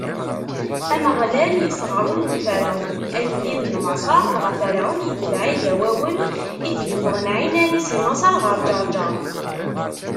Ameɣlal isɣer ul n Ferɛun, agellid n Maṣer, dɣa Ferɛun itbeɛ Igawawen i d-iffɣen ɛinani si Maṣer ɣer Ǧeṛǧeṛ.